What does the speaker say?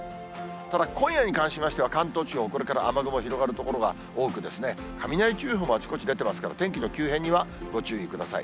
ただ、今夜に関しましては、関東地方、これから雨雲広がる所が多く、雷注意報もあちこち出てますから、天気の急変にはご注意ください。